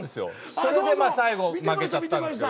それで最後負けちゃったんですよ。